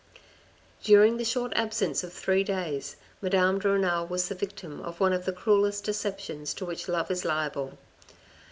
During the short absence of three days, Madame de Renal was the victim of one of the cruellest deceptions to which love is liable.